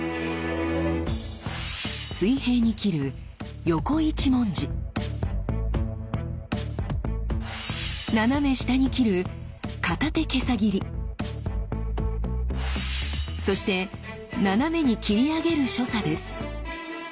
水平に斬る斜め下に斬るそして斜めに斬り上げる所作です。